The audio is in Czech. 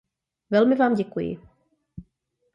Velmi vám děkuji!